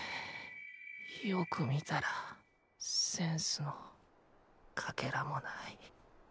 よく見たらセンスのかけらもない。